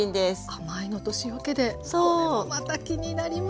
甘いのと塩けでこれもまた気になります。